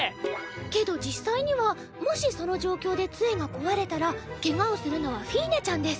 けど実際にはもしその状況で杖が壊れたらケガをするのはフィーネちゃんです。